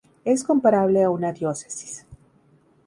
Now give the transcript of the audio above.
Es comparable a una diócesis.